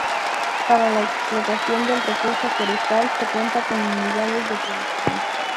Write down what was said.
Para la explotación del recurso forestal se cuenta con unidades de producción.